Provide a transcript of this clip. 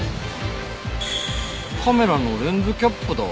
カメラのレンズキャップだ。